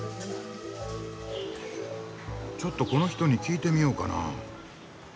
ちょっとこの人に聞いてみようかな。